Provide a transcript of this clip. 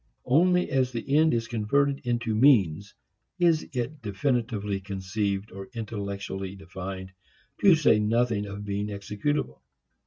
Only as the end is converted into means is it definitely conceived, or intellectually defined, to say nothing of being executable.